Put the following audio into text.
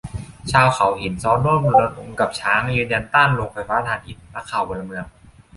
ชาวเขาหินซ้อนร่วมรณรงค์กับช้าง ยืนยันต้านโรงไฟฟ้าถ่านหิน นักข่าวพลเมือง